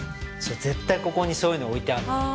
絶対ここにそういうの置いてあるのよああ